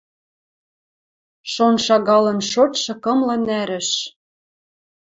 Шон шагалын шотшы кымлы нӓрӹш.